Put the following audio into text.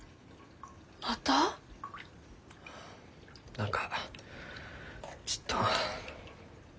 何かちっと。